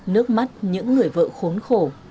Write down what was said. nước mắt những người vợ khốn khổ